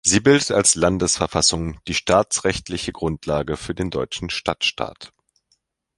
Sie bildet als Landesverfassung die staatsrechtliche Grundlage für den deutschen Stadtstaat.